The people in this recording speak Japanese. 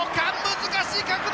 難しい角度！